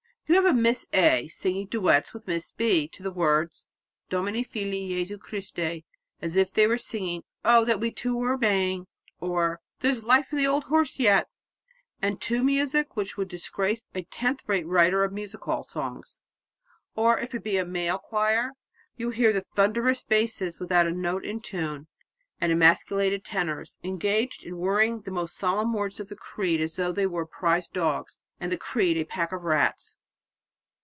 "You have Miss A. singing duets with Miss B. to the words, 'Domine Fili Jesu Christe' as if they were singing 'O that we two were maying,' or 'There's Life in the Old Horse yet,' and to music which would disgrace a tenth rate writer of music hall songs. Or if it be a male choir, you hear thunderous basses without a note in tune, and emasculated tenors ... engaged over worrying the most solemn words of the Creed as though they were prize dogs, and the Creed a pack of rats."